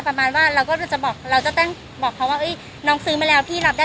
ประมาณว่าเราก็จะบอกเราจะตั้งบอกเขาว่าน้องซื้อมาแล้วพี่รับได้